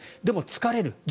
でも疲れる。